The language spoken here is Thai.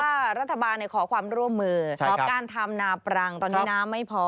เพราะว่ารัฐบาลขอความร่วมเมอร์ของการทำนาปรังตอนที่น้ำไม่พอ